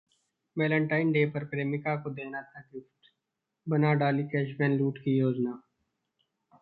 Valentine day पर प्रेमिका को देना था गिफ्ट, बना डाली कैशवैन लूट की योजना